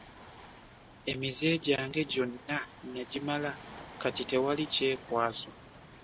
Emize gyange gyonna nagimala kati tewali kyekwaso.